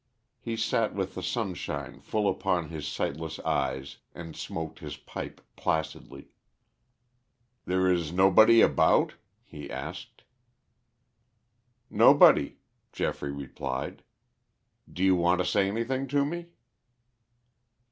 He sat with the sunshine full upon his sightless eyes and smoked his pipe placidly. "There is nobody about?" he asked. "Nobody," Geoffrey replied. "Do you want to say anything to me?"